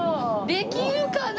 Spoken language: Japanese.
できるかな？